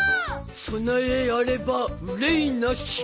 備えあれば憂いなし。